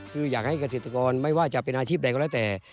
คืออยากให้เกษตรกรไม่ว่าจะเป็นอาชีพใดก็แล้วแต่